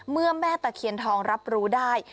แม่ตะเคียนทองรับรู้ได้